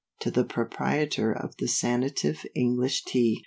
To the Proprietor of the Sanative English TEA.